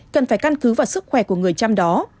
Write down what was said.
cần phải căn cứ vào sức khỏe của người chăm đó